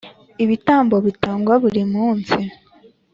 Ibitambo bitangwa burimunsi.